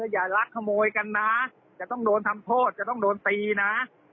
อย่าลักขโมยกันนะจะต้องโดนทำโทษจะต้องโดนตีนะ